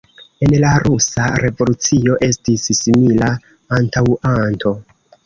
En la rusa revolucio estis simila antaŭanto.